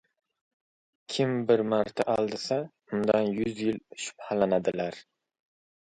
• Kim bir marta aldasa, undan yuz yil shubhalanadilar.